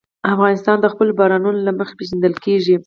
افغانستان د خپلو بارانونو له مخې پېژندل کېږي.